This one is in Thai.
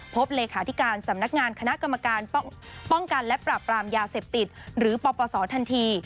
เลขาธิการสำนักงานคณะกรรมการป้องกันและปราบปรามยาเสพติดหรือปปศทันที